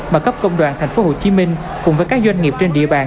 mà cấp công đoàn tp hcm cùng với các doanh nghiệp trên địa bàn